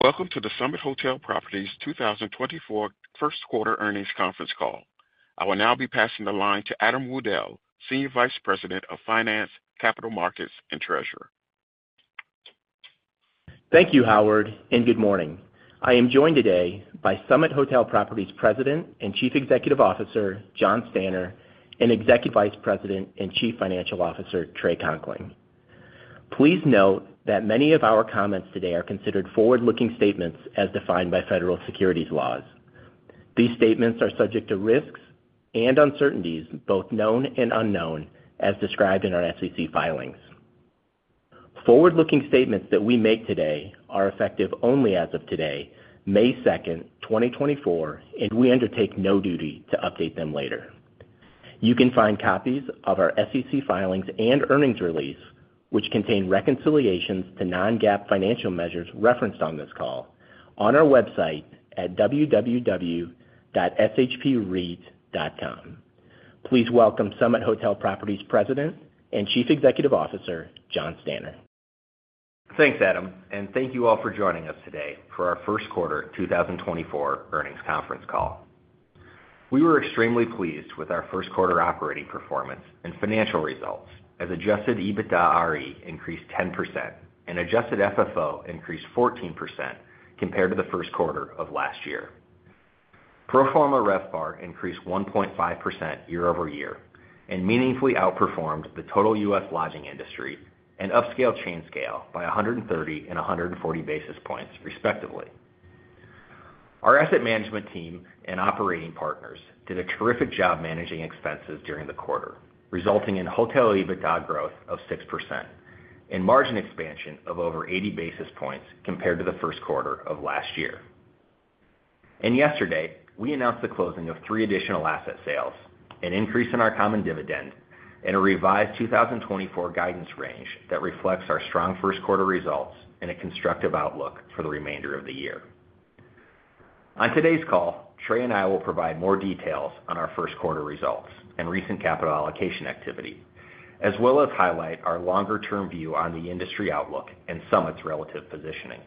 Welcome to the Summit Hotel Properties 2024 First Quarter Earnings Conference Call. I will now be passing the line to Adam Woodell, Senior Vice President of Finance, Capital Markets, and Treasurer. Thank you, Howard, and good morning. I am joined today by Summit Hotel Properties President and Chief Executive Officer, Jon Stanner, and Executive Vice President and Chief Financial Officer, Trey Conkling. Please note that many of our comments today are considered forward-looking statements as defined by federal securities laws. These statements are subject to risks and uncertainties, both known and unknown, as described in our SEC filings. Forward-looking statements that we make today are effective only as of today, May 2, 2024, and we undertake no duty to update them later. You can find copies of our SEC filings and earnings release, which contain reconciliations to non-GAAP financial measures referenced on this call, on our website at www.shpreit.com. Please welcome Summit Hotel Properties President and Chief Executive Officer, Jon Stanner. Thanks, Adam, and thank you all for joining us today for our first quarter 2024 earnings conference call. We were extremely pleased with our first quarter operating performance and financial results, as adjusted EBITDARE increased 10% and adjusted FFO increased 14% compared to the first quarter of last year. Pro forma RevPAR increased 1.5% year-over-year and meaningfully outperformed the total U.S. lodging industry and upscale chain scale by 130 and 140 basis points, respectively. Our asset management team and operating partners did a terrific job managing expenses during the quarter, resulting in hotel EBITDA growth of 6% and margin expansion of over 80 basis points compared to the first quarter of last year. Yesterday, we announced the closing of three additional asset sales, an increase in our common dividend, and a revised 2024 guidance range that reflects our strong first quarter results and a constructive outlook for the remainder of the year. On today's call, Trey and I will provide more details on our first quarter results and recent capital allocation activity, as well as highlight our longer-term view on the industry outlook and Summit's relative positioning.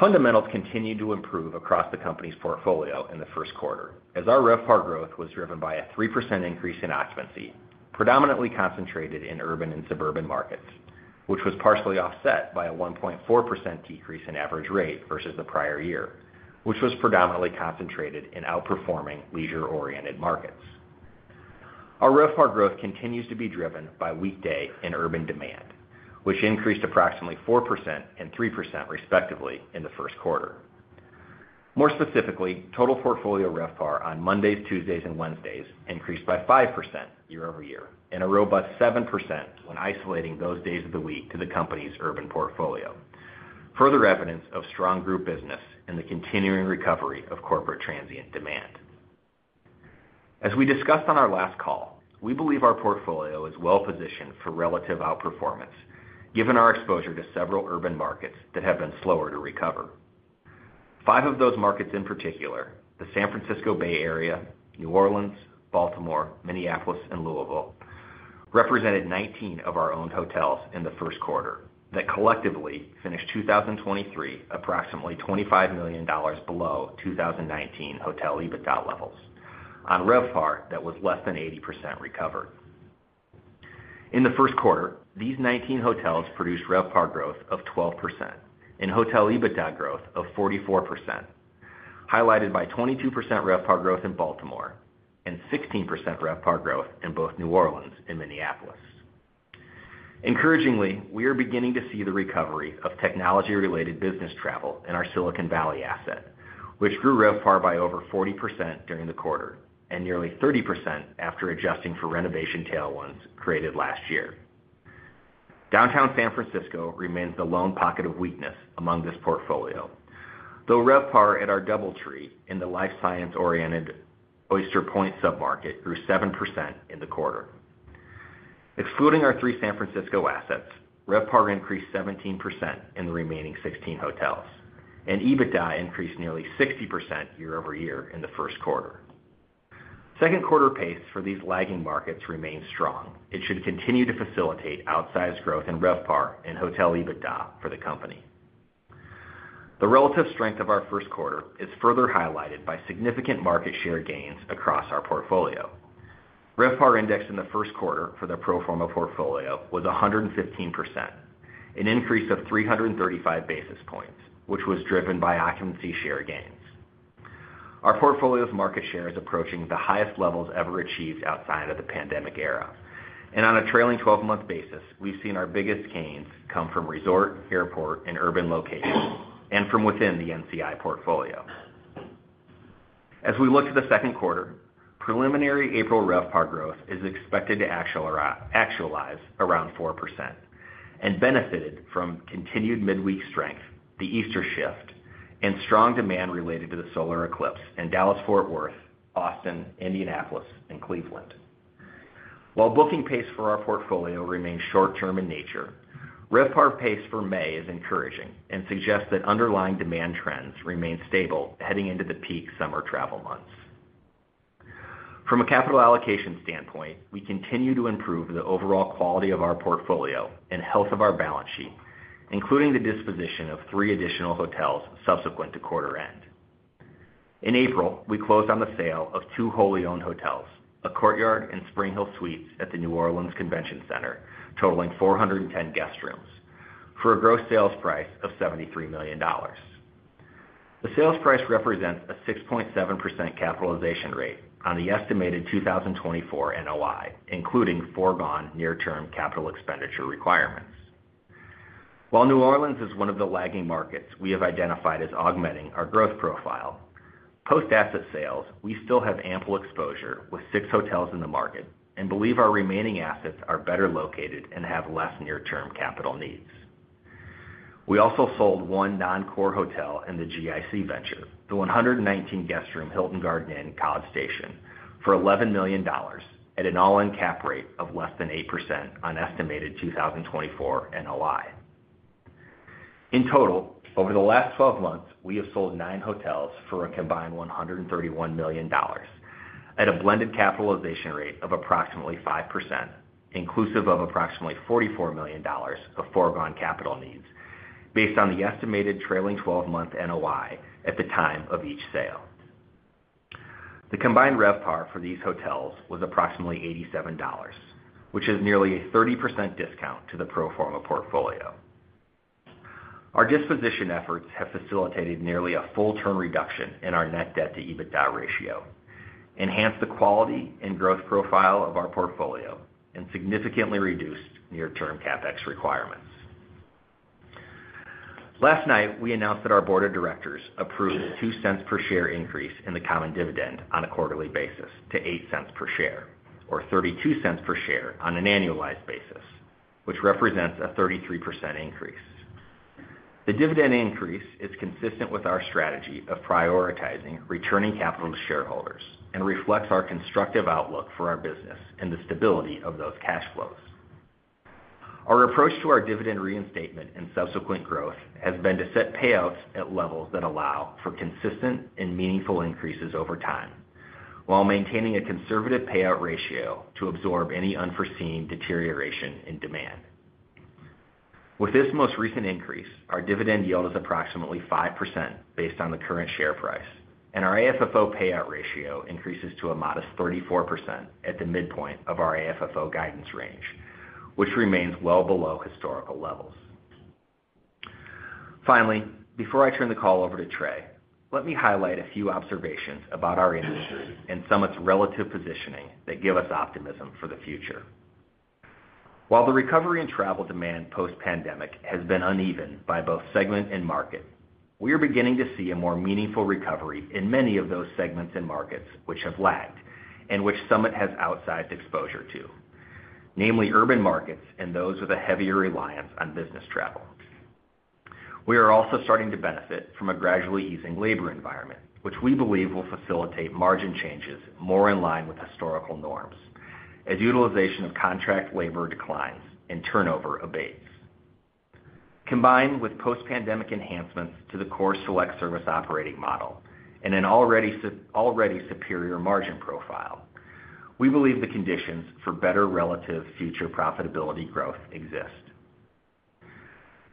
Fundamentals continued to improve across the company's portfolio in the first quarter, as our RevPAR growth was driven by a 3% increase in occupancy, predominantly concentrated in urban and suburban markets, which was partially offset by a 1.4% decrease in average rate versus the prior year, which was predominantly concentrated in outperforming leisure-oriented markets. Our RevPAR growth continues to be driven by weekday and urban demand, which increased approximately 4% and 3%, respectively, in the first quarter. More specifically, total portfolio RevPAR on Mondays, Tuesdays, and Wednesdays increased by 5% year over year, and a robust 7% when isolating those days of the week to the company's urban portfolio. Further evidence of strong group business and the continuing recovery of corporate transient demand. As we discussed on our last call, we believe our portfolio is well positioned for relative outperformance, given our exposure to several urban markets that have been slower to recover. 5 of those markets, in particular, the San Francisco Bay Area, New Orleans, Baltimore, Minneapolis, and Louisville, represented 19 of our owned hotels in the first quarter that collectively finished 2023, approximately $25 million below 2019 hotel EBITDA levels on RevPAR that was less than 80% recovered. In the first quarter, these 19 hotels produced RevPAR growth of 12% and hotel EBITDA growth of 44%, highlighted by 22% RevPAR growth in Baltimore and 16% RevPAR growth in both New Orleans and Minneapolis. Encouragingly, we are beginning to see the recovery of technology-related business travel in our Silicon Valley asset, which grew RevPAR by over 40% during the quarter and nearly 30% after adjusting for renovation tailwinds created last year. Downtown San Francisco remains the lone pocket of weakness among this portfolio, though RevPAR at our DoubleTree in the life science-oriented Oyster Point submarket grew 7% in the quarter. Excluding our three San Francisco assets, RevPAR increased 17% in the remaining 16 hotels, and EBITDA increased nearly 60% year-over-year in the first quarter. Second quarter pace for these lagging markets remains strong. It should continue to facilitate outsized growth in RevPAR and hotel EBITDA for the company. The relative strength of our first quarter is further highlighted by significant market share gains across our portfolio. RevPAR index in the first quarter for the pro forma portfolio was 115%, an increase of 335 basis points, which was driven by occupancy share gains. Our portfolio's market share is approaching the highest levels ever achieved outside of the pandemic era, and on a trailing twelve-month basis, we've seen our biggest gains come from resort, airport, and urban locations and from within the NCI portfolio. As we look to the second quarter, preliminary April RevPAR growth is expected to actualize around 4% and benefited from continued midweek strength, the Easter shift, and strong demand related to the solar eclipse in Dallas-Fort Worth, Austin, Indianapolis, and Cleveland. While booking pace for our portfolio remains short term in nature, RevPAR pace for May is encouraging and suggests that underlying demand trends remain stable heading into the peak summer travel months. From a capital allocation standpoint, we continue to improve the overall quality of our portfolio and health of our balance sheet, including the disposition of three additional hotels subsequent to quarter end. In April, we closed on the sale of two wholly owned hotels, a Courtyard and SpringHill Suites at the New Orleans Convention Center, totaling 410 guest rooms, for a gross sales price of $73 million. The sales price represents a 6.7% capitalization rate on the estimated 2024 NOI, including foregone near-term capital expenditure requirements. While New Orleans is one of the lagging markets we have identified as augmenting our growth profile, post-asset sales, we still have ample exposure with 6 hotels in the market, and believe our remaining assets are better located and have less near-term capital needs. We also sold one non-core hotel in the GIC venture, the 119-guest room Hilton Garden Inn, College Station, for $11 million at an all-in cap rate of less than 8% on estimated 2024 NOI. In total, over the last 12 months, we have sold 9 hotels for a combined $131 million at a blended capitalization rate of approximately 5%, inclusive of approximately $44 million of foregone capital needs, based on the estimated trailing 12-month NOI at the time of each sale. The combined RevPAR for these hotels was approximately $87, which is nearly a 30% discount to the pro forma portfolio. Our disposition efforts have facilitated nearly a full-term reduction in our net debt to EBITDA ratio, enhanced the quality and growth profile of our portfolio, and significantly reduced near-term CapEx requirements. Last night, we announced that our board of directors approved a $0.02 per share increase in the common dividend on a quarterly basis to $0.08 per share, or $0.32 per share on an annualized basis, which represents a 33% increase. The dividend increase is consistent with our strategy of prioritizing returning capital to shareholders and reflects our constructive outlook for our business and the stability of those cash flows. Our approach to our dividend reinstatement and subsequent growth has been to set payouts at levels that allow for consistent and meaningful increases over time, while maintaining a conservative payout ratio to absorb any unforeseen deterioration in demand. With this most recent increase, our dividend yield is approximately 5% based on the current share price, and our AFFO payout ratio increases to a modest 34% at the midpoint of our AFFO guidance range, which remains well below historical levels. Finally, before I turn the call over to Trey, let me highlight a few observations about our industry and Summit's relative positioning that give us optimism for the future. While the recovery in travel demand post-pandemic has been uneven by both segment and market, we are beginning to see a more meaningful recovery in many of those segments and markets which have lagged and which Summit has outsized exposure to, namely urban markets and those with a heavier reliance on business travel. We are also starting to benefit from a gradually easing labor environment, which we believe will facilitate margin changes more in line with historical norms as utilization of contract labor declines and turnover abates. Combined with post-pandemic enhancements to the core select service operating model and an already superior margin profile, we believe the conditions for better relative future profitability growth exist.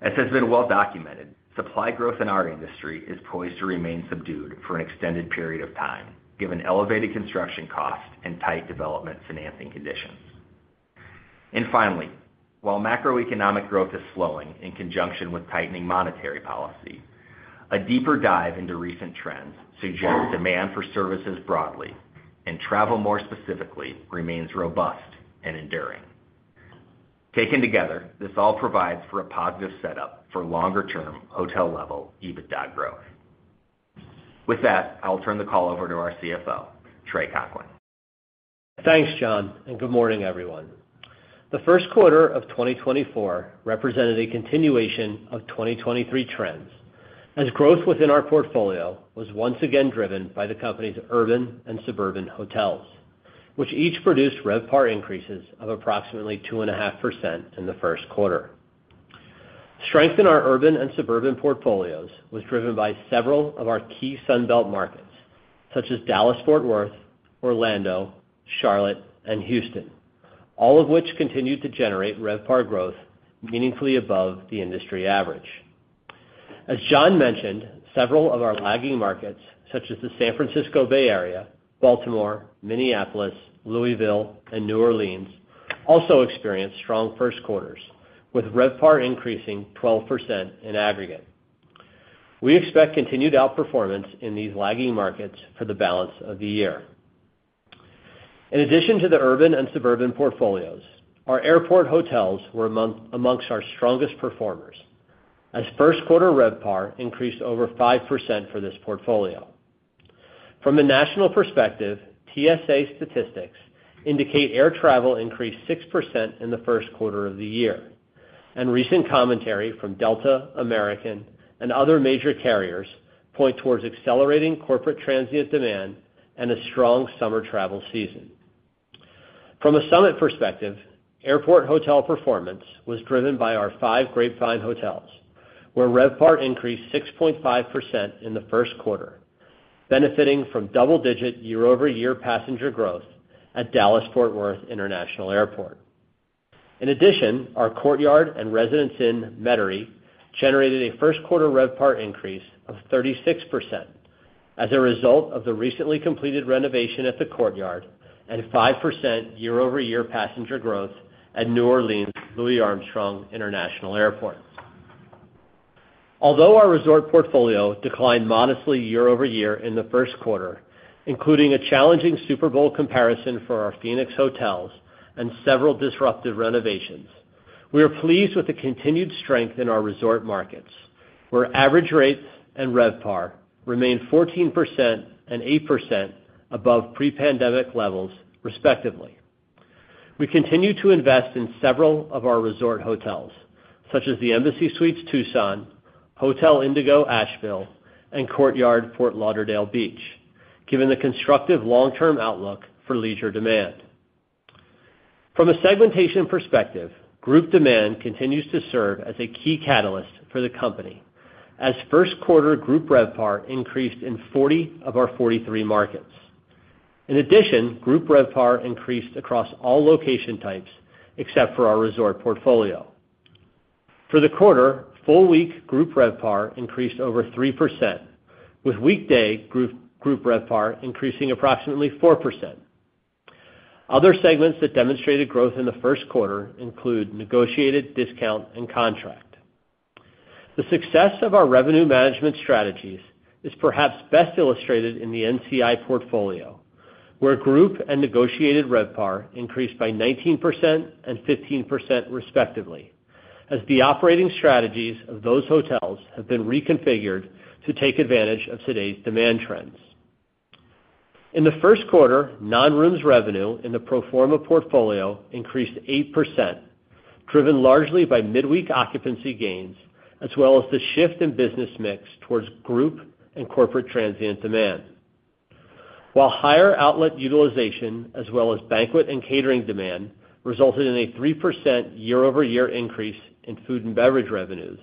As has been well documented, supply growth in our industry is poised to remain subdued for an extended period of time, given elevated construction costs and tight development financing conditions. And finally, while macroeconomic growth is slowing in conjunction with tightening monetary policy, a deeper dive into recent trends suggests demand for services broadly, and travel, more specifically, remains robust and enduring. Taken together, this all provides for a positive setup for longer-term hotel-level EBITDA growth. With that, I'll turn the call over to our CFO, Trey Conkling. Thanks, Jon, and good morning, everyone. The first quarter of 2024 represented a continuation of 2023 trends, as growth within our portfolio was once again driven by the company's urban and suburban hotels, which each produced RevPAR increases of approximately 2.5% in the first quarter. Strength in our urban and suburban portfolios was driven by several of our key Sun Belt markets, such as Dallas-Fort Worth, Orlando, Charlotte, and Houston, all of which continued to generate RevPAR growth meaningfully above the industry average. As Jon mentioned, several of our lagging markets, such as the San Francisco Bay Area, Baltimore, Minneapolis, Louisville, and New Orleans, also experienced strong first quarters, with RevPAR increasing 12% in aggregate. We expect continued outperformance in these lagging markets for the balance of the year. In addition to the urban and suburban portfolios, our airport hotels were amongst our strongest performers, as first quarter RevPAR increased over 5% for this portfolio. From a national perspective, TSA statistics indicate air travel increased 6% in the first quarter of the year, and recent commentary from Delta, American, and other major carriers point towards accelerating corporate transient demand and a strong summer travel season. From a Summit perspective, airport hotel performance was driven by our five Grapevine hotels, where RevPAR increased 6.5% in the first quarter, benefiting from double-digit year-over-year passenger growth at Dallas Fort Worth International Airport. In addition, our Courtyard and Residence Inn Metairie generated a first quarter RevPAR increase of 36% as a result of the recently completed renovation at the Courtyard and a 5% year-over-year passenger growth at Louis Armstrong New Orleans International Airport. Although our resort portfolio declined modestly year-over-year in the first quarter, including a challenging Super Bowl comparison for our Phoenix hotels and several disruptive renovations, we are pleased with the continued strength in our resort markets, where average rates and RevPAR remained 14% and 8% above pre-pandemic levels, respectively. We continue to invest in several of our resort hotels, such as the Embassy Suites, Tucson, Hotel Indigo, Asheville, and Courtyard, Fort Lauderdale Beach, given the constructive long-term outlook for leisure demand. From a segmentation perspective, group demand continues to serve as a key catalyst for the company, as first quarter group RevPAR increased in 40 of our 43 markets. In addition, group RevPAR increased across all location types, except for our resort portfolio. For the quarter, full week group RevPAR increased over 3%, with weekday group RevPAR increasing approximately 4%. Other segments that demonstrated growth in the first quarter include negotiated, discount, and contract. The success of our revenue management strategies is perhaps best illustrated in the NCI portfolio, where group and negotiated RevPAR increased by 19% and 15%, respectively, as the operating strategies of those hotels have been reconfigured to take advantage of today's demand trends. In the first quarter, non-rooms revenue in the pro forma portfolio increased 8%, driven largely by midweek occupancy gains, as well as the shift in business mix towards group and corporate transient demand. While higher outlet utilization, as well as banquet and catering demand, resulted in a 3% year-over-year increase in food and beverage revenues,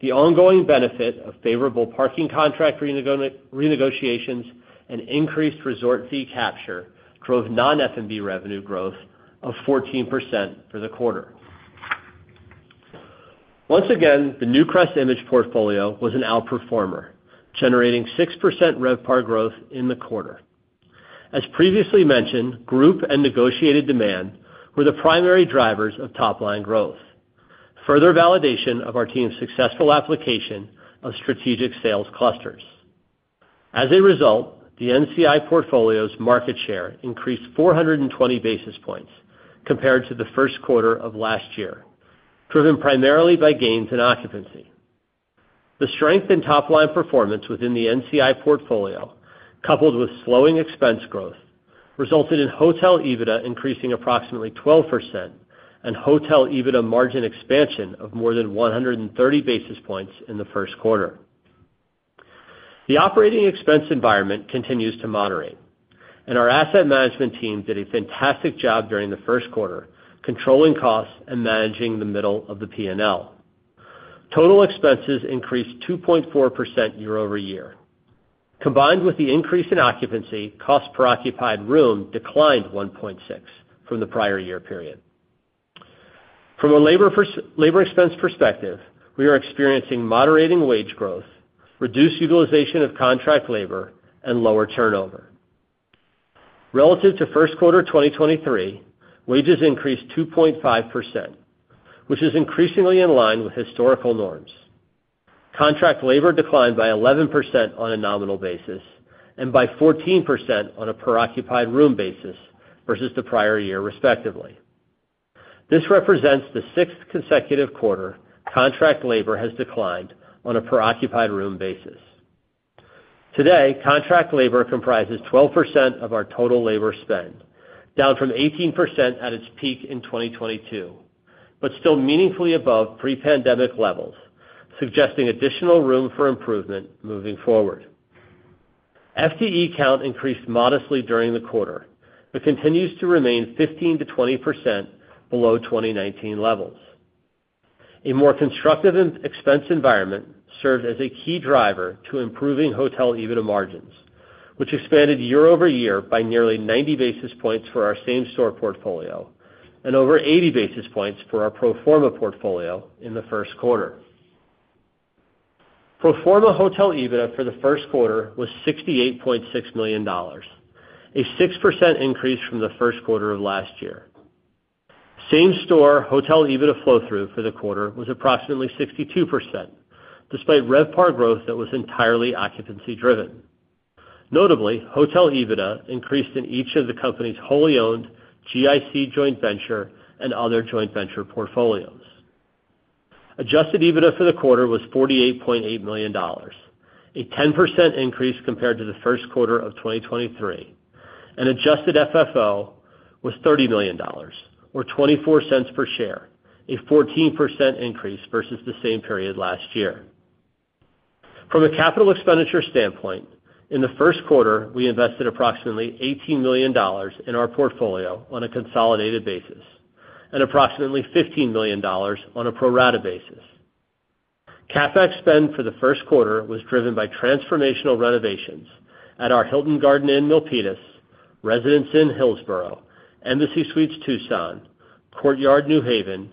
the ongoing benefit of favorable parking contract renegotiations and increased resort fee capture drove non-F&B revenue growth of 14% for the quarter. Once again, the NewcrestImage portfolio was an outperformer, generating 6% RevPAR growth in the quarter. As previously mentioned, group and negotiated demand were the primary drivers of top-line growth, further validation of our team's successful application of strategic sales clusters. As a result, the NCI portfolio's market share increased 420 basis points compared to the first quarter of last year, driven primarily by gains and occupancy. The strength in top-line performance within the NCI portfolio, coupled with slowing expense growth, resulted in hotel EBITDA increasing approximately 12% and hotel EBITDA margin expansion of more than 130 basis points in the first quarter. The operating expense environment continues to moderate, and our asset management team did a fantastic job during the first quarter, controlling costs and managing the middle of the P&L. Total expenses increased 2.4% year-over-year. Combined with the increase in occupancy, cost per occupied room declined 1.6 from the prior year period. From a labor expense perspective, we are experiencing moderating wage growth, reduced utilization of contract labor, and lower turnover. Relative to first quarter 2023, wages increased 2.5%, which is increasingly in line with historical norms. Contract labor declined by 11% on a nominal basis and by 14% on a per occupied room basis versus the prior year, respectively. This represents the sixth consecutive quarter contract labor has declined on a per occupied room basis. Today, contract labor comprises 12% of our total labor spend, down from 18% at its peak in 2022, but still meaningfully above pre-pandemic levels, suggesting additional room for improvement moving forward. FTE count increased modestly during the quarter, but continues to remain 15%-20% below 2019 levels. A more constructive expense environment served as a key driver to improving hotel EBITDA margins, which expanded year-over-year by nearly 90 basis points for our same store portfolio and over 80 basis points for our pro forma portfolio in the first quarter. Pro forma hotel EBITDA for the first quarter was $68.6 million, a 6% increase from the first quarter of last year. Same store hotel EBITDA flow-through for the quarter was approximately 62%, despite RevPAR growth that was entirely occupancy driven. Notably, hotel EBITDA increased in each of the company's wholly owned GIC joint venture and other joint venture portfolios. Adjusted EBITDA for the quarter was $48.8 million, a 10% increase compared to the first quarter of 2023, and adjusted FFO was $30 million, or 24 cents per share, a 14% increase versus the same period last year. From a capital expenditure standpoint, in the first quarter, we invested approximately $18 million in our portfolio on a consolidated basis and approximately $15 million on a pro rata basis. CapEx spend for the first quarter was driven by transformational renovations at our Hilton Garden Inn, Milpitas, Residence Inn, Hillsboro, Embassy Suites, Tucson, Courtyard, New Haven,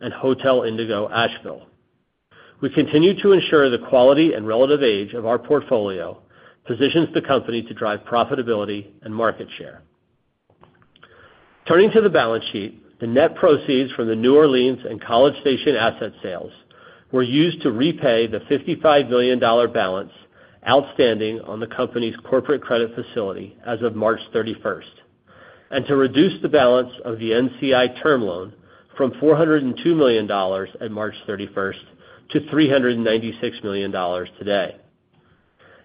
and Hotel Indigo, Asheville. We continue to ensure the quality and relative age of our portfolio positions the company to drive profitability and market share. Turning to the balance sheet, the net proceeds from the New Orleans and College Station asset sales were used to repay the $55 million balance outstanding on the company's corporate credit facility as of March 31st, and to reduce the balance of the NCI term loan from $402 million at March 31st to $396 million today.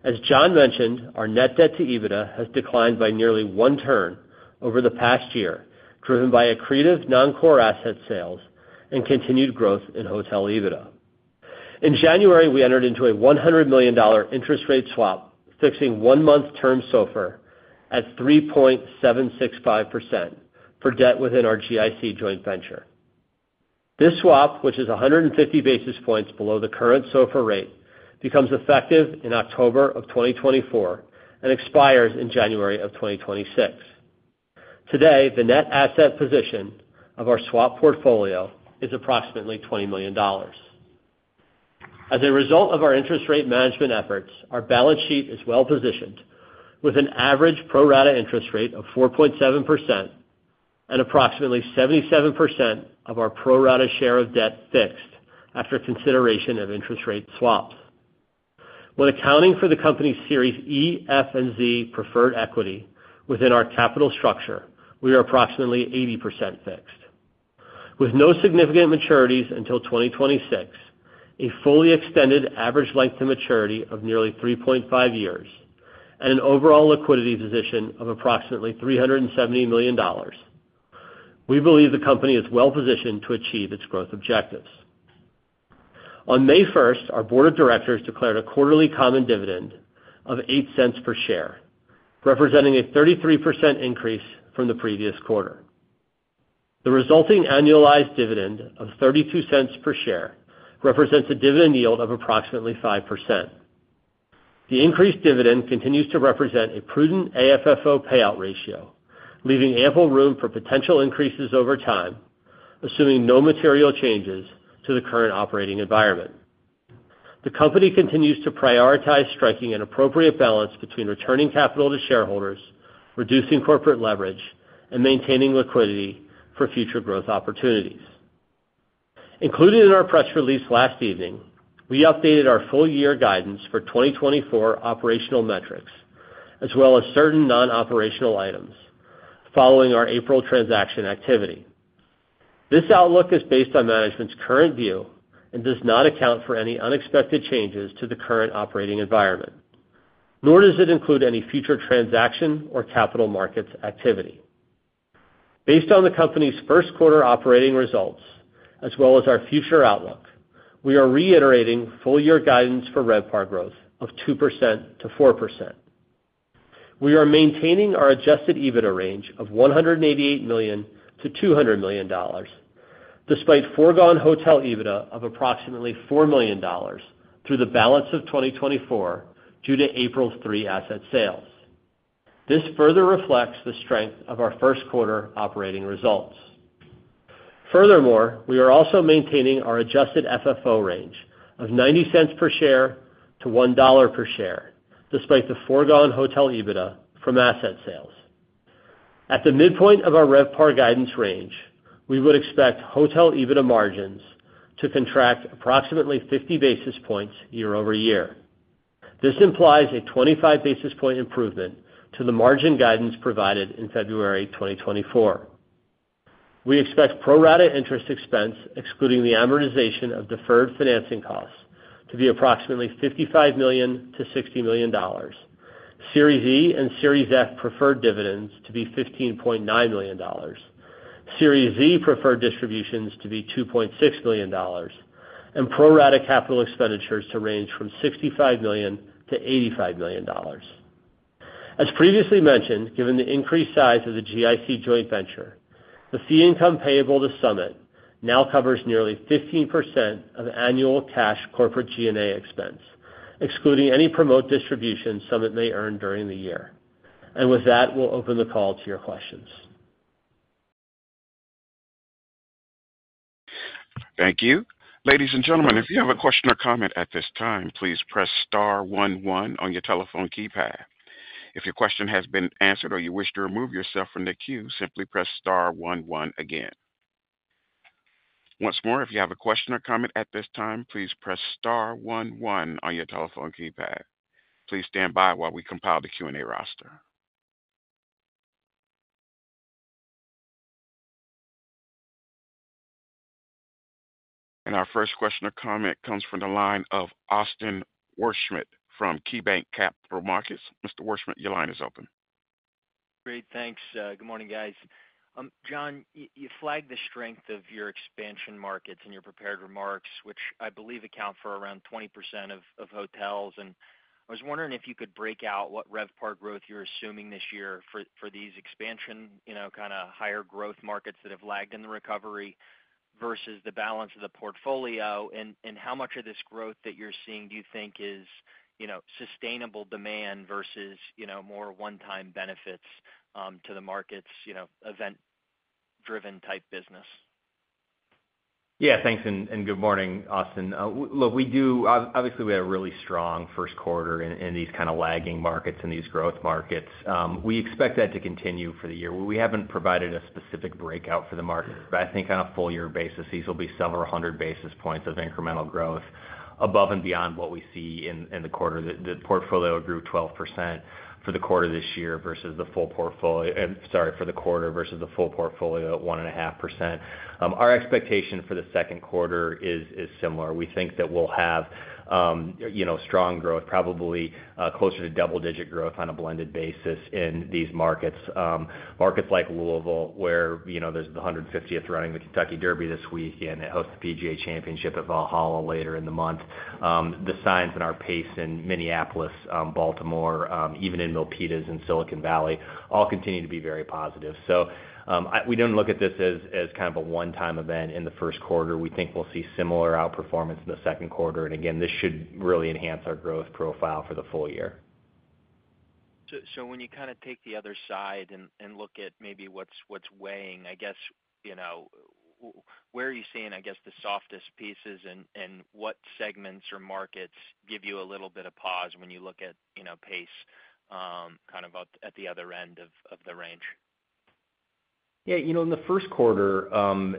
As Jon mentioned, our net debt to EBITDA has declined by nearly one turn over the past year, driven by accretive non-core asset sales and continued growth in hotel EBITDA. In January, we entered into a $100 million interest rate swap, fixing one-month term SOFR at 3.765% for debt within our GIC joint venture. This swap, which is 150 basis points below the current SOFR rate, becomes effective in October 2024 and expires in January 2026. Today, the net asset position of our swap portfolio is approximately $20 million. As a result of our interest rate management efforts, our balance sheet is well positioned, with an average pro rata interest rate of 4.7% and approximately 77% of our pro rata share of debt fixed after consideration of interest rate swaps. When accounting for the company's Series E, F, and Z preferred equity within our capital structure, we are approximately 80% fixed. With no significant maturities until 2026, a fully extended average length to maturity of nearly 3.5 years, and an overall liquidity position of approximately $370 million, we believe the company is well positioned to achieve its growth objectives. On May first, our board of directors declared a quarterly common dividend of $0.08 per share, representing a 33% increase from the previous quarter. The resulting annualized dividend of $0.32 per share represents a dividend yield of approximately 5%. The increased dividend continues to represent a prudent AFFO payout ratio, leaving ample room for potential increases over time, assuming no material changes to the current operating environment. The company continues to prioritize striking an appropriate balance between returning capital to shareholders, reducing corporate leverage, and maintaining liquidity for future growth opportunities. Included in our press release last evening, we updated our full-year guidance for 2024 operational metrics, as well as certain non-operational items following our April transaction activity. This outlook is based on management's current view and does not account for any unexpected changes to the current operating environment, nor does it include any future transaction or capital markets activity. Based on the company's first quarter operating results, as well as our future outlook, we are reiterating full year guidance for RevPAR growth of 2%-4%. We are maintaining our adjusted EBITDA range of $188 million-$200 million, despite foregone hotel EBITDA of approximately $4 million through the balance of 2024 due to April's 3 asset sales. This further reflects the strength of our first quarter operating results. Furthermore, we are also maintaining our adjusted FFO range of $0.90-$1.00 per share, despite the foregone hotel EBITDA from asset sales. At the midpoint of our RevPAR guidance range, we would expect hotel EBITDA margins to contract approximately 50 basis points year-over-year. This implies a 25 basis point improvement to the margin guidance provided in February 2024. We expect pro rata interest expense, excluding the amortization of deferred financing costs, to be approximately $55 million-$60 million. Series E and Series F preferred dividends to be $15.9 million, Series Z preferred distributions to be $2.6 million, and pro rata capital expenditures to range from $65 million-$85 million. As previously mentioned, given the increased size of the GIC joint venture, the fee income payable to Summit now covers nearly 15% of annual cash corporate G&A expense, excluding any promote distribution Summit may earn during the year. With that, we'll open the call to your questions. Thank you. Ladies and gentlemen, if you have a question or comment at this time, please press star one one on your telephone keypad. If your question has been answered or you wish to remove yourself from the queue, simply press star one one again. Once more, if you have a question or comment at this time, please press star one one on your telephone keypad. Please stand by while we compile the Q&A roster. Our first question or comment comes from the line of Austin Wurschmidt from KeyBanc Capital Markets. Mr. Wurschmidt, your line is open.... Great, thanks. Good morning, guys. Jon, you flagged the strength of your expansion markets in your prepared remarks, which I believe account for around 20% of hotels. And I was wondering if you could break out what RevPAR growth you're assuming this year for these expansion, you know, kind of higher growth markets that have lagged in the recovery, versus the balance of the portfolio. And how much of this growth that you're seeing, do you think is, you know, sustainable demand versus, you know, more one-time benefits to the markets, you know, event-driven type business? Yeah, thanks, and good morning, Austin. Look, we do obviously have a really strong first quarter in these kind of lagging markets, in these growth markets. We expect that to continue for the year. We haven't provided a specific breakout for the market, but I think on a full year basis, these will be several hundred basis points of incremental growth above and beyond what we see in the quarter. The portfolio grew 12% for the quarter this year versus the full portfolio at 1.5%. Our expectation for the second quarter is similar. We think that we'll have you know strong growth, probably closer to double-digit growth on a blended basis in these markets. Markets like Louisville, where, you know, there's the 150th running of the Kentucky Derby this week, and it hosts the PGA Championship at Valhalla later in the month. The signs in our pace in Minneapolis, Baltimore, even in Milpitas and Silicon Valley, all continue to be very positive. So, we don't look at this as, as kind of a one-time event in the first quarter. We think we'll see similar outperformance in the second quarter, and again, this should really enhance our growth profile for the full year. So when you kind of take the other side and look at maybe what's weighing, I guess, you know, where are you seeing, I guess, the softest pieces and what segments or markets give you a little bit of pause when you look at, you know, pace, kind of at the other end of the range? Yeah, you know, in the first quarter,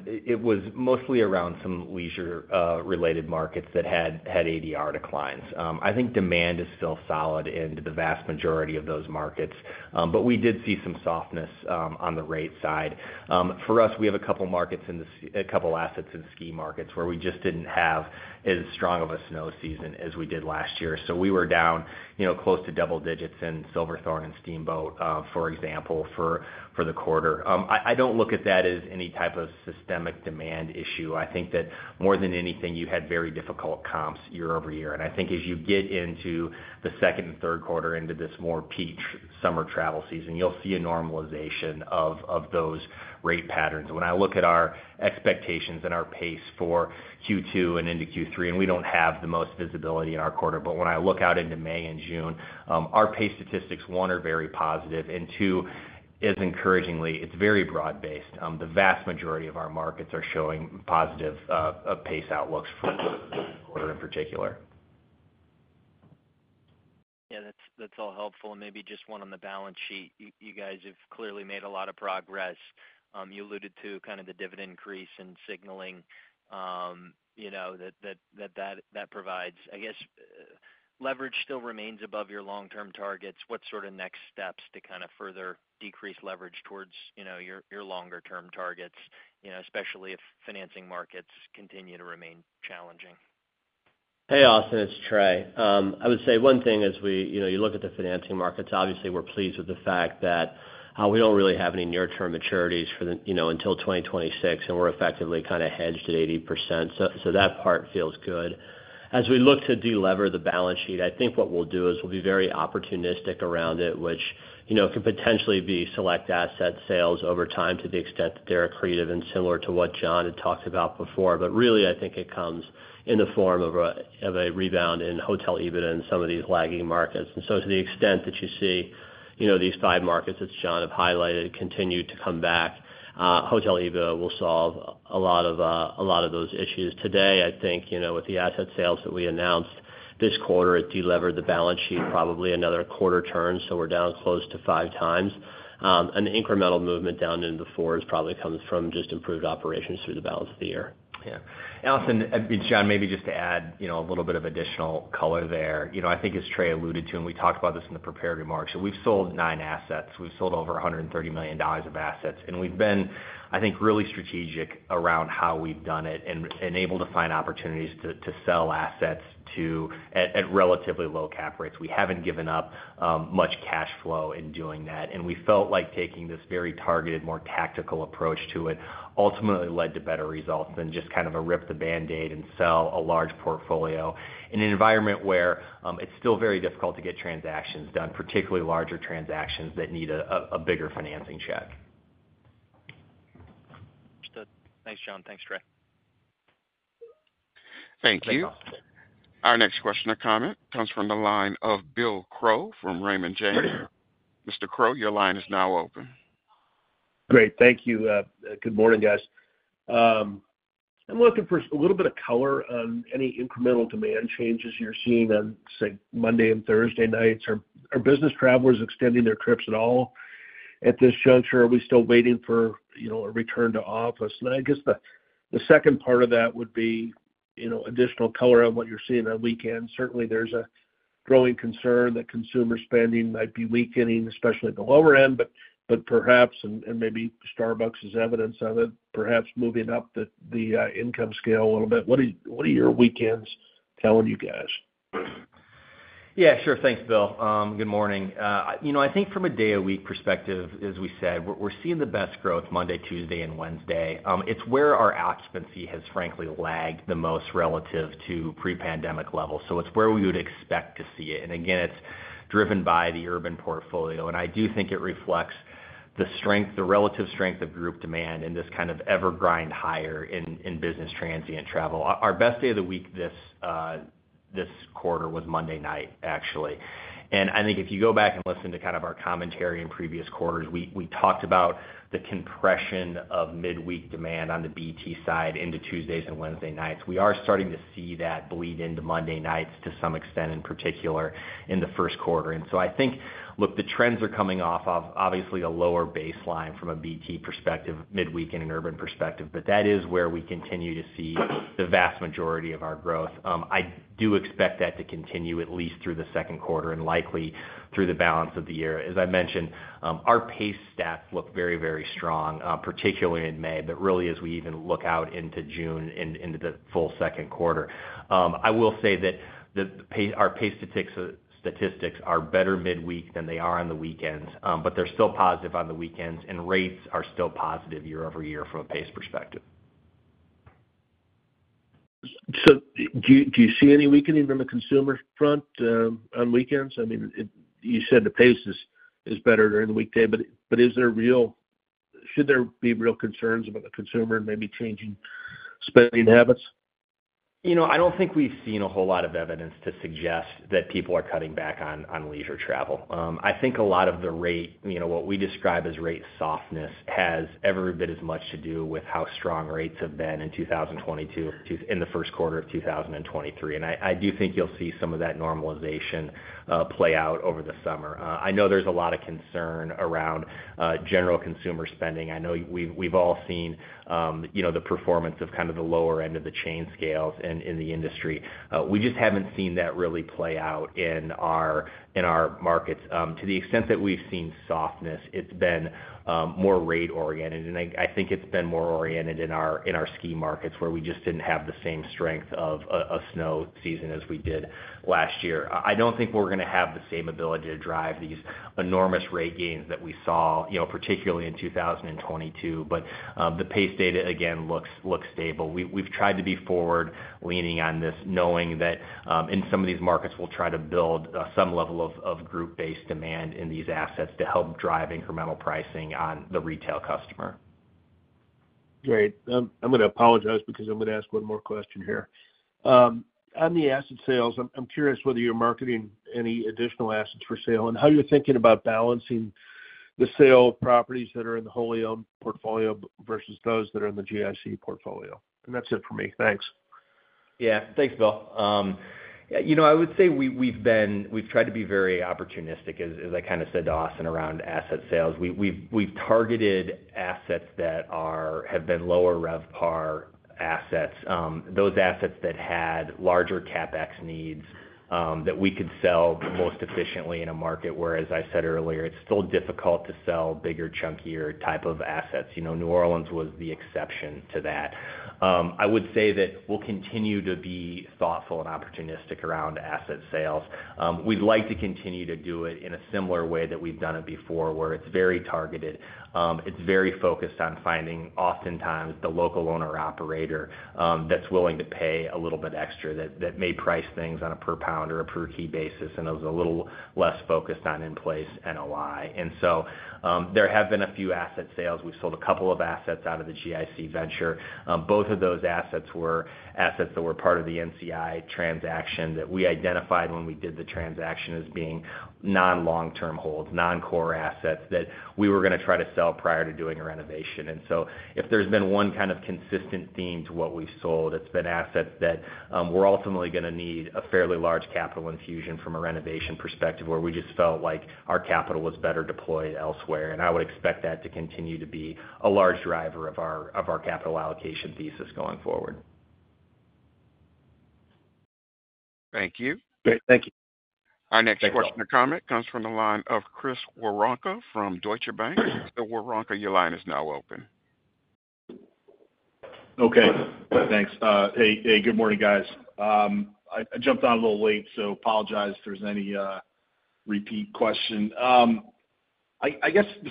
it was mostly around some leisure related markets that had ADR declines. I think demand is still solid in the vast majority of those markets, but we did see some softness on the rate side. For us, we have a couple assets in ski markets, where we just didn't have as strong of a snow season as we did last year. So we were down, you know, close to double digits in Silverthorne and Steamboat, for example, for the quarter. I don't look at that as any type of systemic demand issue. I think that more than anything, you had very difficult comps year-over-year. I think as you get into the second and third quarter into this more peak summer travel season, you'll see a normalization of those rate patterns. When I look at our expectations and our pace for Q2 and into Q3, and we don't have the most visibility in our quarter, but when I look out into May and June, our pace statistics, one, are very positive, and two, as encouragingly, it's very broad-based. The vast majority of our markets are showing positive pace outlooks for the quarter in particular. Yeah, that's, that's all helpful. Maybe just one on the balance sheet. You guys have clearly made a lot of progress. You alluded to kind of the dividend increase in signaling, you know, that provides. I guess, leverage still remains above your long-term targets. What sort of next steps to kind of further decrease leverage towards, you know, your longer-term targets, you know, especially if financing markets continue to remain challenging? Hey, Austin, it's Trey. I would say one thing as we, you know, you look at the financing markets, obviously, we're pleased with the fact that we don't really have any near-term maturities for the, you know, until 2026, and we're effectively kind of hedged at 80%. So that part feels good. As we look to delever the balance sheet, I think what we'll do is we'll be very opportunistic around it, which, you know, could potentially be select asset sales over time, to the extent that they're accretive and similar to what Jon had talked about before. But really, I think it comes in the form of a rebound in hotel EBITDA in some of these lagging markets. So to the extent that you see, you know, these five markets, as Jon have highlighted, continue to come back, hotel EBITDA will solve a lot of, a lot of those issues. Today, I think, you know, with the asset sales that we announced this quarter, it delevered the balance sheet, probably another quarter turn, so we're down close to 5 times. An incremental movement down into fours probably comes from just improved operations through the balance of the year. Yeah. Allison, Jon, maybe just to add, you know, a little bit of additional color there. You know, I think as Trey alluded to, and we talked about this in the prepared remarks, so we've sold nine assets. We've sold over $130 million of assets, and we've been, I think, really strategic around how we've done it and able to find opportunities to sell assets to... at relatively low cap rates. We haven't given up much cash flow in doing that, and we felt like taking this very targeted, more tactical approach to it ultimately led to better results than just kind of a rip the Band-Aid and sell a large portfolio in an environment where it's still very difficult to get transactions done, particularly larger transactions that need a bigger financing check. Understood. Thanks, Jon. Thanks, Trey. Thank you. Our next question or comment comes from the line of Bill Crow from Raymond James. Mr. Crow, your line is now open. Great. Thank you. Good morning, guys. I'm looking for a little bit of color on any incremental demand changes you're seeing on, say, Monday and Thursday nights. Are business travelers extending their trips at all at this juncture? Are we still waiting for, you know, a return to office? And I guess the second part of that would be, you know, additional color on what you're seeing on weekends. Certainly, there's a growing concern that consumer spending might be weakening, especially at the lower end, but perhaps and maybe Starbucks is evidence of it, perhaps moving up the income scale a little bit. What are your weekends telling you guys? Yeah, sure. Thanks, Bill. Good morning. You know, I think from a day a week perspective, as we said, we're seeing the best growth Monday, Tuesday and Wednesday. It's where our occupancy has frankly lagged the most relative to pre-pandemic levels. So it's where we would expect to see it. And again, it's driven by the urban portfolio, and I do think it reflects the strength, the relative strength of group demand in this kind of ever grind higher in business transient travel. Our best day of the week this quarter was Monday night, actually. And I think if you go back and listen to kind of our commentary in previous quarters, we talked about the compression of midweek demand on the BT side into Tuesdays and Wednesday nights. We are starting to see that bleed into Monday nights to some extent, in particular, in the first quarter. And so I think, look, the trends are coming off of obviously a lower baseline from a BT perspective, midweek and an urban perspective, but that is where we continue to see the vast majority of our growth. I do expect that to continue at least through the second quarter and likely through the balance of the year. As I mentioned, our pace stats look very, very strong, particularly in May. But really, as we even look out into June, into the full second quarter, I will say that our pace statistics are better midweek than they are on the weekends, but they're still positive on the weekends, and rates are still positive year-over-year from a pace perspective. So do you see any weakening from a consumer front on weekends? I mean, it—you said the pace is better during the weekday, but is there—should there be real concerns about the consumer maybe changing spending habits? You know, I don't think we've seen a whole lot of evidence to suggest that people are cutting back on leisure travel. I think a lot of the rate, you know, what we describe as rate softness, has ever been as much to do with how strong rates have been in 2022, in the first quarter of 2023. And I do think you'll see some of that normalization play out over the summer. I know there's a lot of concern around general consumer spending. I know we've all seen, you know, the performance of kind of the lower end of the chain scales in the industry. We just haven't seen that really play out in our markets. To the extent that we've seen softness, it's been more rate oriented, and I think it's been more oriented in our ski markets, where we just didn't have the same strength of a snow season as we did last year. I don't think we're going to have the same ability to drive these enormous rate gains that we saw, you know, particularly in 2022. But the pace data again looks stable. We've tried to be forward leaning on this, knowing that in some of these markets, we'll try to build some level of group-based demand in these assets to help drive incremental pricing on the retail customer. Great. I'm going to apologize because I'm going to ask one more question here. On the asset sales, I'm curious whether you're marketing any additional assets for sale and how you're thinking about balancing the sale of properties that are in the wholly owned portfolio versus those that are in the GIC portfolio. That's it for me. Thanks. Yeah. Thanks, Bill. You know, I would say we've been—we've tried to be very opportunistic, as I kind of said to Austin, around asset sales. We've targeted assets that have been lower RevPAR assets, those assets that had larger CapEx needs, that we could sell most efficiently in a market where, as I said earlier, it's still difficult to sell bigger, chunkier type of assets. You know, New Orleans was the exception to that. I would say that we'll continue to be thoughtful and opportunistic around asset sales. We'd like to continue to do it in a similar way that we've done it before, where it's very targeted. It's very focused on finding, oftentimes, the local owner operator that's willing to pay a little bit extra, that may price things on a per pound or a per key basis, and it was a little less focused on in-place NOI. So, there have been a few asset sales. We've sold a couple of assets out of the GIC venture. Both of those assets were assets that were part of the NCI transaction that we identified when we did the transaction as being non-long-term holds, non-core assets that we were going to try to sell prior to doing a renovation. And so if there's been one kind of consistent theme to what we've sold, it's been assets that we're ultimately going to need a fairly large capital infusion from a renovation perspective, where we just felt like our capital was better deployed elsewhere. And I would expect that to continue to be a large driver of our capital allocation thesis going forward. Thank you. Great. Thank you. Our next question or comment comes from the line of Chris Woronka from Deutsche Bank. Mr. Woronka, your line is now open. Okay, thanks. Hey, hey, good morning, guys. I jumped on a little late, so apologize if there's any repeat question. I guess the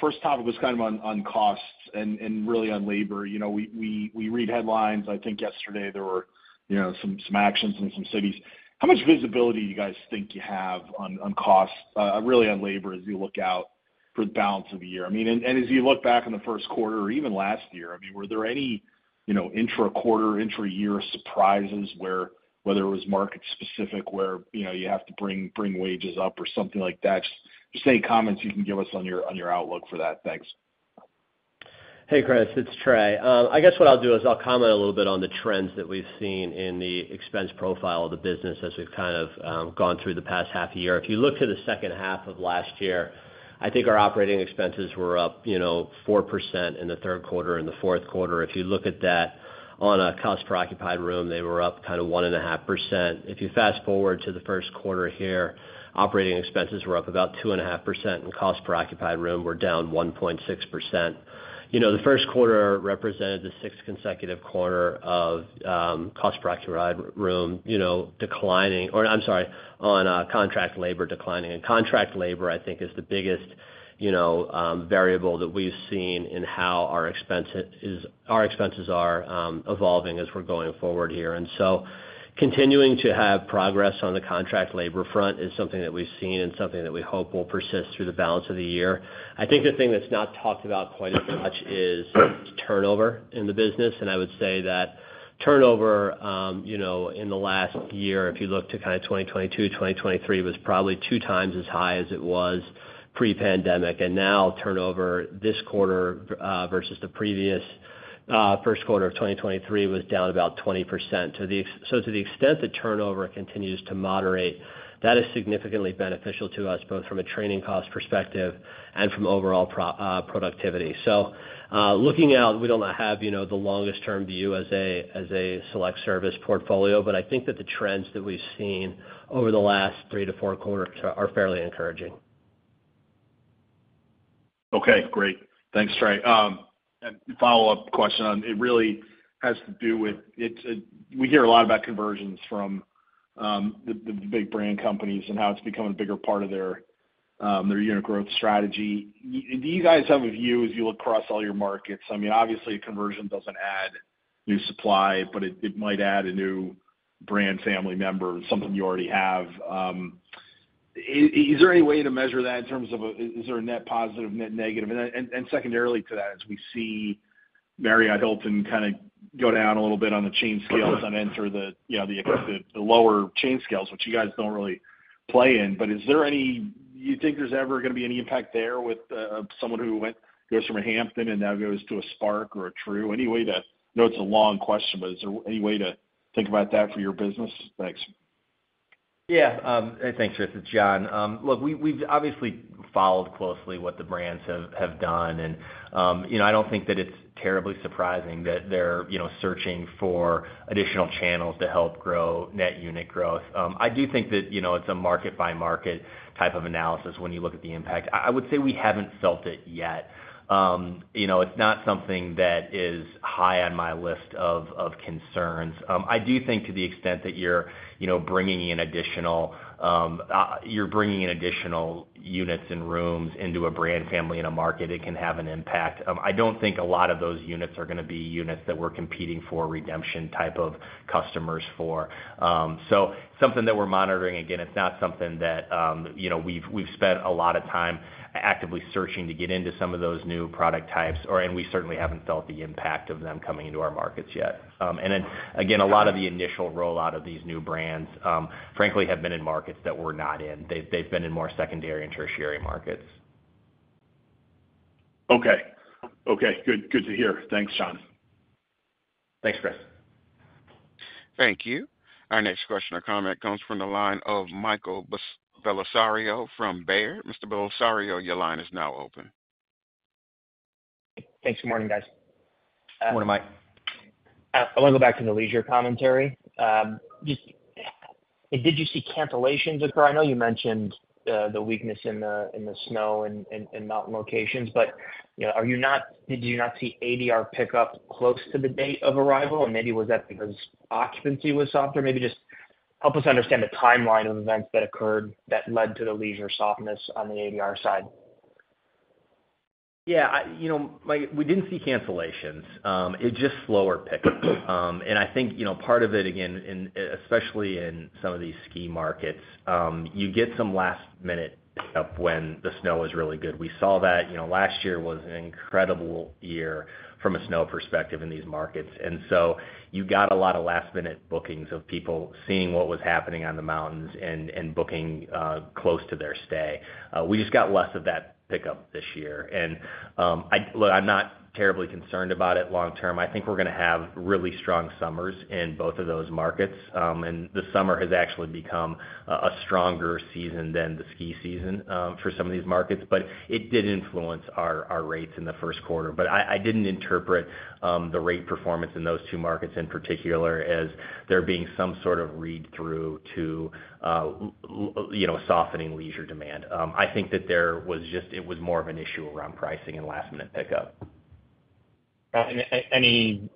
first topic was kind of on costs and really on labor. You know, we read headlines. I think yesterday there were you know some actions in some cities. How much visibility do you guys think you have on costs, really on labor, as you look out for the balance of the year? I mean, as you look back in the first quarter or even last year, I mean, were there any you know intra-quarter, intra-year surprises where, whether it was market specific, where you know you have to bring wages up or something like that? Just any comments you can give us on your outlook for that. Thanks. Hey, Chris, it's Trey. I guess what I'll do is I'll comment a little bit on the trends that we've seen in the expense profile of the business as we've kind of gone through the past half a year. If you look to the second half of last year, I think our operating expenses were up, you know, 4% in the third quarter and the fourth quarter. If you look at that, on a cost per occupied room, they were up kind of 1.5%. If you fast-forward to the first quarter here, operating expenses were up about 2.5%, and cost per occupied room were down 1.6%. You know, the first quarter represented the sixth consecutive quarter of cost per occupied room, you know, declining or I'm sorry, on contract labor declining. Contract labor, I think, is the biggest, you know, variable that we've seen in how our expenses are evolving as we're going forward here. So continuing to have progress on the contract labor front is something that we've seen and something that we hope will persist through the balance of the year. I think the thing that's not talked about quite as much is turnover in the business, and I would say that turnover, you know, in the last year, if you look to kind of 2022, 2023, was probably 2 times as high as it was pre-pandemic. Now turnover this quarter versus the previous first quarter of 2023 was down about 20%. To the extent that turnover continues to moderate, that is significantly beneficial to us, both from a training cost perspective and from overall productivity. So, looking out, we don't have, you know, the longest-term view as a select service portfolio, but I think that the trends that we've seen over the last 3-4 quarters are fairly encouraging. Okay, great. Thanks, Trey. And follow-up question on. It really has to do with it, we hear a lot about conversions from the big brand companies and how it's becoming a bigger part of their unit growth strategy. Do you guys have a view as you look across all your markets? I mean, obviously, conversion doesn't add new supply, but it might add a new brand family member, something you already have. Is there any way to measure that in terms of a net positive, net negative? And secondarily to that, as we see Marriott, Hilton kind of go down a little bit on the chain scales and enter the, you know, the lower chain scales, which you guys don't really play in. But do you think there's ever gonna be any impact there with someone who goes from a Hampton and now goes to a Spark or a Tru? Any way to... I know it's a long question, but is there any way to think about that for your business? Thanks. Yeah, thanks, Chris. It's Jon. Look, we've obviously followed closely what the brands have done, and, you know, I don't think that it's terribly surprising that they're, you know, searching for additional channels to help grow net unit growth. I do think that, you know, it's a market-by-market type of analysis when you look at the impact. I would say we haven't felt it yet. You know, it's not something that is high on my list of concerns. I do think to the extent that you're, you know, bringing in additional, you're bringing in additional units and rooms into a brand family in a market, it can have an impact. I don't think a lot of those units are gonna be units that we're competing for redemption type of customers for. So something that we're monitoring. Again, it's not something that, you know, we've spent a lot of time actively searching to get into some of those new product types, or, and we certainly haven't felt the impact of them coming into our markets yet. And then, again, a lot of the initial rollout of these new brands, frankly, have been in markets that we're not in. They've been in more secondary and tertiary markets. Okay. Okay, good, good to hear. Thanks, Jon. Thanks, Chris. Thank you. Our next question or comment comes from the line of Michael Bellisario from Baird. Mr. Bellisario, your line is now open. Thanks. Good morning, guys. Good morning, Mike. I want to go back to the leisure commentary. Just... Did you see cancellations occur? I know you mentioned the weakness in the snow and mountain locations, but, you know, are you not--did you not see ADR pick up close to the date of arrival? And maybe was that because occupancy was softer? Maybe just help us understand the timeline of events that occurred that led to the leisure softness on the ADR side. Yeah, You know, Mike, we didn't see cancellations. It's just slower pickup. And I think, you know, part of it, again, especially in some of these ski markets, you get some last-minute pickup when the snow is really good. We saw that. You know, last year was an incredible year from a snow perspective in these markets, and so you got a lot of last-minute bookings of people seeing what was happening on the mountains and booking close to their stay. We just got less of that pickup this year, and look, I'm not terribly concerned about it long term. I think we're gonna have really strong summers in both of those markets, and the summer has actually become a stronger season than the ski season, for some of these markets, but it did influence our rates in the first quarter. But I didn't interpret the rate performance in those two markets, in particular, as there being some sort of read-through to, you know, softening leisure demand. I think that there was just it was more of an issue around pricing and last-minute pickup. And any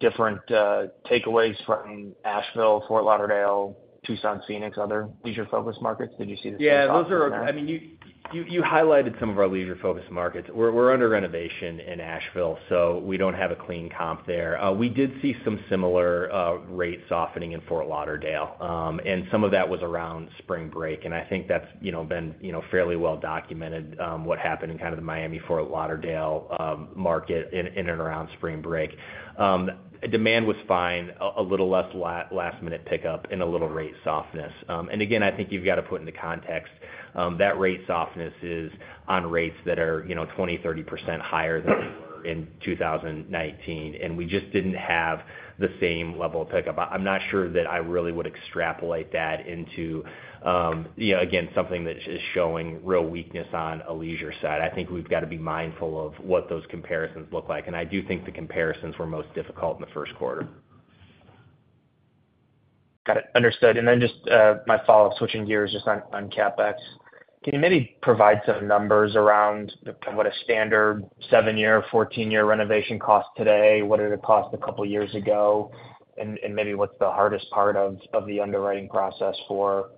different takeaways from Asheville, Fort Lauderdale, Tucson, Phoenix, other leisure-focused markets? Did you see the same thing there? Yeah, those are our—I mean, you highlighted some of our leisure-focused markets. We're under renovation in Asheville, so we don't have a clean comp there. We did see some similar rate softening in Fort Lauderdale, and some of that was around spring break, and I think that's, you know, been, you know, fairly well documented what happened in kind of the Miami, Fort Lauderdale market in and around spring break. Demand was fine, a little less last-minute pickup and a little rate softness. And again, I think you've got to put into context that rate softness is on rates that are, you know, 20%-30% higher than they were in 2019, and we just didn't have the same level of pickup. I'm not sure that I really would extrapolate that into, you know, again, something that is showing real weakness on a leisure side. I think we've got to be mindful of what those comparisons look like, and I do think the comparisons were most difficult in the first quarter.... Got it, understood. And then just, my follow-up, switching gears just on CapEx. Can you maybe provide some numbers around the, what a standard seven-year, 14-year renovation costs today? What did it cost a couple of years ago? And maybe what's the hardest part of the underwriting process for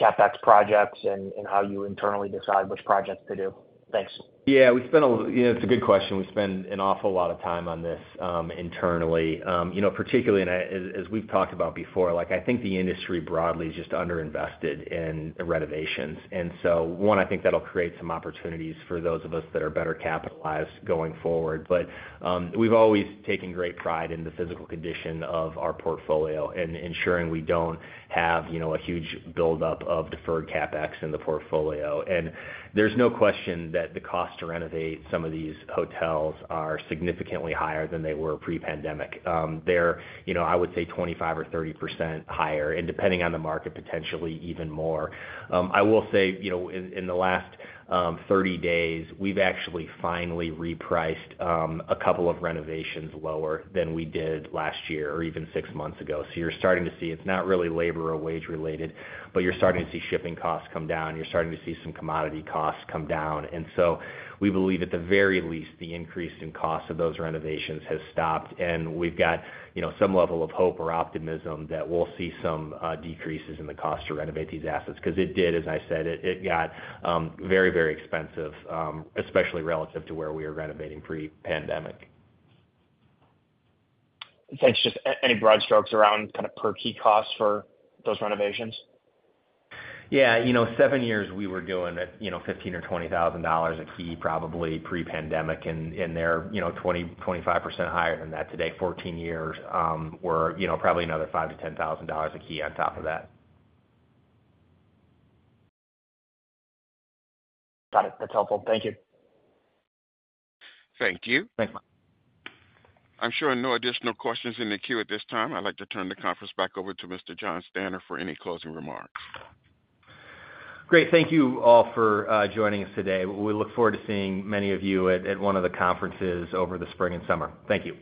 CapEx projects and how you internally decide which projects to do? Thanks. Yeah, you know, it's a good question. We spend an awful lot of time on this, internally. You know, particularly in a, as we've talked about before, like, I think the industry broadly is just underinvested in renovations. And so one, I think that'll create some opportunities for those of us that are better capitalized going forward. But, we've always taken great pride in the physical condition of our portfolio and ensuring we don't have, you know, a huge buildup of deferred CapEx in the portfolio. And there's no question that the cost to renovate some of these hotels are significantly higher than they were pre-pandemic. They're, you know, I would say 25% or 30% higher, and depending on the market, potentially even more. I will say, you know, in the last 30 days, we've actually finally repriced a couple of renovations lower than we did last year or even six months ago. So you're starting to see it's not really labor or wage related, but you're starting to see shipping costs come down, you're starting to see some commodity costs come down. And so we believe at the very least, the increase in cost of those renovations has stopped, and we've got, you know, some level of hope or optimism that we'll see some decreases in the cost to renovate these assets. 'Cause it did, as I said, it got very, very expensive, especially relative to where we were renovating pre-pandemic. Thanks. Just any broad strokes around kind of per key costs for those renovations? Yeah, you know, 7 years we were doing at, you know, $15,000-$20,000 a key, probably pre-pandemic, and they're, you know, 20%-25% higher than that today. 14 years, we're, you know, probably another $5,000-$10,000 a key on top of that. Got it. That's helpful. Thank you. Thank you. Thanks, bye. I'm showing no additional questions in the queue at this time. I'd like to turn the conference back over to Mr. Jon Stanner for any closing remarks. Great. Thank you all for joining us today. We look forward to seeing many of you at one of the conferences over the spring and summer. Thank you.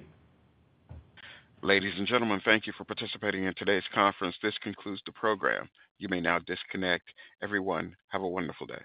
Ladies and gentlemen, thank you for participating in today's conference. This concludes the program. You may now disconnect. Everyone, have a wonderful day.